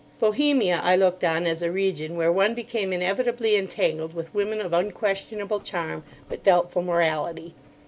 Bohemia I looked on as a region where one became inevitably entangled with women of unquestionable charm, but doubtful morality.